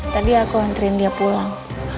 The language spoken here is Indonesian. tadi aku antrin dia pulang